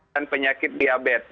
dan penyakit diabetes